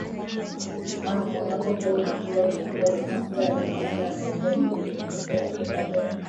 a unapokuwa unakula vyakula vya mafuta yale mafuta yanaingia mwilini matokeo yake badala ya